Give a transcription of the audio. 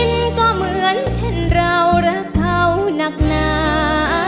มันก็เหมือนเช่นเรารักเขานักหนา